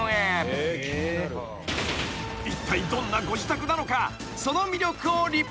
［いったいどんなご自宅なのか？］